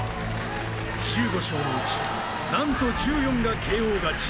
１５勝のうち、なんと１４がＫＯ勝ち。